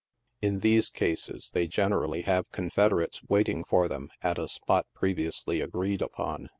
In these cases they generally have confederates waiting for them at a spot previously agreed upon.